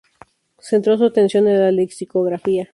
Centró su atención en la lexicografía.